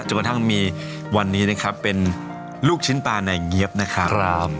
กระทั่งมีวันนี้นะครับเป็นลูกชิ้นปลาในเงี๊ยบนะครับ